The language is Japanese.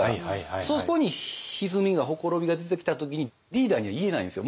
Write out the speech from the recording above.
そこにひずみが綻びが出てきた時にリーダーには言えないんですよ。